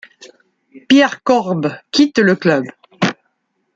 Pierre Korb quitte le club.